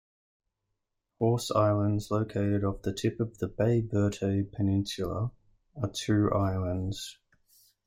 Horse Islands located off the tip of the Baie Verte Peninsula, are two islands.